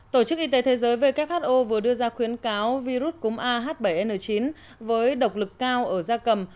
tổ chức y tế thế giới who vừa đưa ra khuyến cáo virus cúm ah bảy n chín với độc lực cao ở da cầm